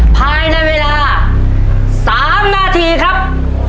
ภายในเวลา๓นาทีครับ